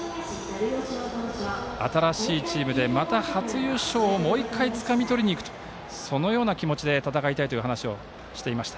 新しいチームで、また初優勝をもう一回、つかみに取りにいくという気持ちで戦いたいという話をしていました。